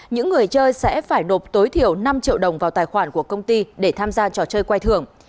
những người chơi sẽ phải nộp tối thiểu năm triệu đồng vào tài khoản của công ty để tham gia trò chơi quay thưởng